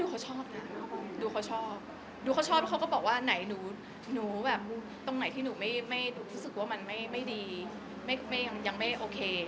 ดูค่ะดูเขาชอบดูเขาชอบเขาก็บอกว่าไหนหนูตรงไหนที่หนูรู้สึกว่ามันไม่ดียังไม่โอเค